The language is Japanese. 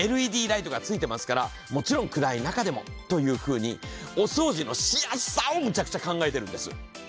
ＬＥＤライトが付いてますからもちろん暗い中でもというふうにお掃除のしやすさをめちゃくちゃ考えてるんです。